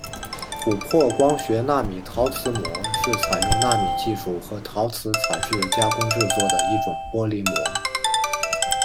琥珀光学纳米陶瓷膜是采用纳米技术和陶瓷材质加工制作的一种玻璃膜。